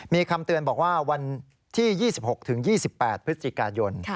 มีคำเตือนบอกว่าวันที่๒๖๒๘พฤศจิกายน